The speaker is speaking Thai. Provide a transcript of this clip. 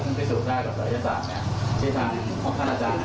ซึ่งพิสูจน์ได้กับศัยศาสตร์ที่ทางของท่านอาจารย์